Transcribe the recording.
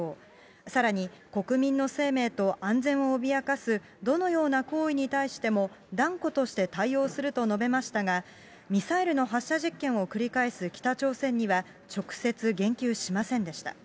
さらに国民の生命と安全を脅かすどのような行為に対しても断固として対応すると述べましたが、ミサイルの発射実験を繰り返す北朝鮮には、直接言及しませんでした。